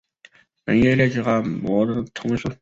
本页列举了镆的同位素。